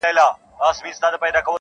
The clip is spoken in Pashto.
چا راوړي د پیسو وي ډک جېبونه,